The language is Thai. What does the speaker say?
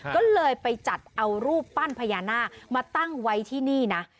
ก็เลยไปจัดเอารูปปั้นพญานาคมาตั้งไว้ที่นี่นะ